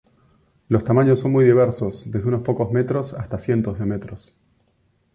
Los tamaños son muy diversos desde unos pocos metros hasta cientos de metros.